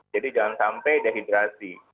jadi jangan sampai dehidrasi